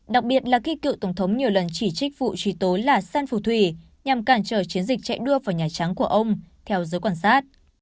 đặc biệt là khi cựu tổng thống nhiều lần chỉ trích vụ truy tối là san phù thủy nhằm cản trở chiến dịch chạy đua vào nhà trắng của ông theo giới quan sát